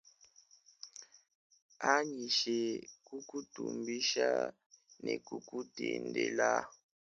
Unyishe kukutumbisha ne kukutendela.